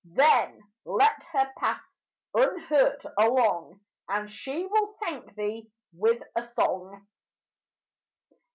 Then let her pass unhurt along; And she will thank thee with a song.